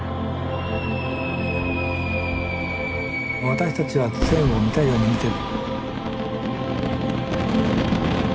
私たちは線を見たいように見てる。